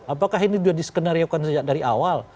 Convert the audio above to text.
apakah ini sudah diskenariokan sejak dari awal